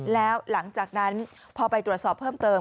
แล้วหลังจากนั้นพอไปตรวจสอบเพิ่มเติม